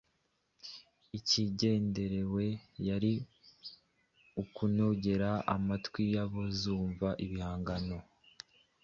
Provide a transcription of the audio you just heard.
ikigenderewe ari ukunogera amatwi y’abazumva igihangano